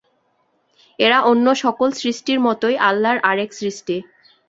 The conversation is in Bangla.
এরা অন্য সকল সৃষ্টির মতই আল্লাহর আরেক সৃষ্টি।